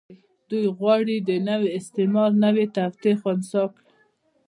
دوی غواړي د نوي استعمار نوې توطيې خنثی کړي.